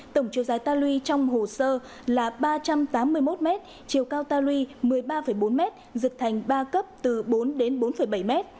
tổng chiều dài ta lui trong hồ sơ là ba trăm tám mươi một m chiều cao ta lui một mươi ba bốn m dịch thành ba cấp từ bốn đến bốn bảy m